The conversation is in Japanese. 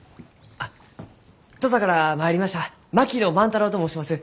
あっ土佐から参りました槙野万太郎と申します。